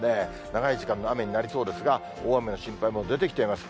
長い時間の雨になりそうですが、大雨の心配も出てきています。